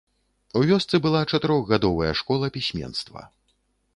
У вёсцы была чатырохгадовая школа пісьменства.